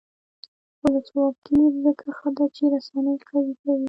ولسواکي ځکه ښه ده چې رسنۍ قوي کوي.